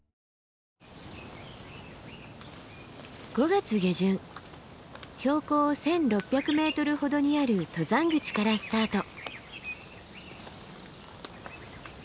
５月下旬標高１，６００ｍほどにある登山口からスタート。